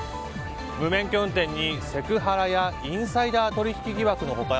無免許運転にセクハラやインサイダー取引疑惑の他